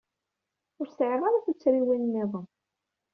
Ur sɛiɣ ara tuttriwin niḍen.